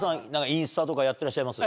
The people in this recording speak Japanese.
インスタとかやってらっしゃいます？